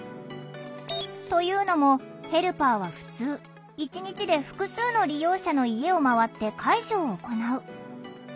というのもヘルパーはふつう一日で複数の利用者の家を回って介助を行う。